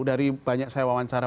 dari banyak saya wawancara